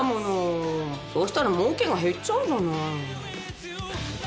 そしたら儲けが減っちゃうじゃない。